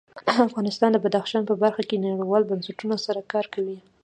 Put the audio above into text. افغانستان د بدخشان په برخه کې نړیوالو بنسټونو سره کار کوي.